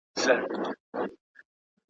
دولت باید معقول ملاتړ وکړي.